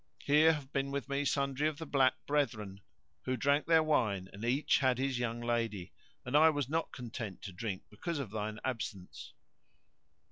Here have been with me sundry of the black brethren, who drank their wine and each had his young lady, and I was not content to drink because of thine absence."